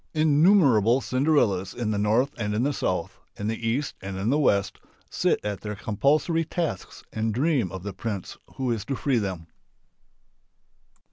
Innumerable Cinderellas in the north and in the south, in the east and in the west, sit at their compulsory tasks and dream of the prince who is to free them.